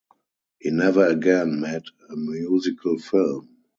He never again made a musical film.